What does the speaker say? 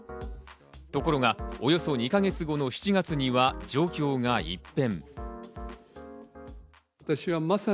ところがおよそ２か月後の７月には状況が一変。